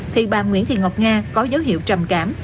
thì bà nguyễn thị ngọc nga có dấu hiệu trầm cảm